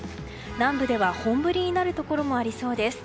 南部では本降りになるところもありそうです。